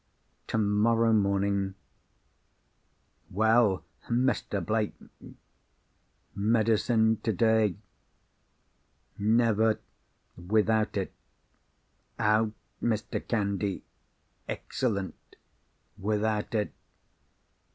tomorrow morning ... Well, Mr. Blake ... medicine today ... never ... without it ... out, Mr. Candy ... excellent ... without it